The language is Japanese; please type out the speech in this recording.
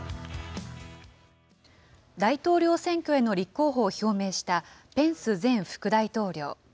大統領選挙への立候補を表明した、ペンス前副大統領。